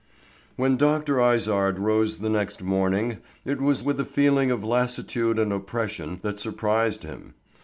WHEN Dr. Izard rose the next morning it was with a feeling of lassitude and oppression that surprised him.